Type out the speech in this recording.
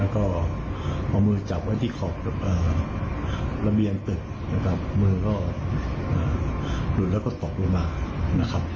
แล้วก็เอามือจับไว้ที่ขอบระเบียงตึกนะครับมือก็หลุดแล้วก็ตกลงมานะครับ